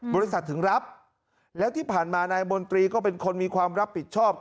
บริษัทถึงรับแล้วที่ผ่านมานายมนตรีก็เป็นคนมีความรับผิดชอบ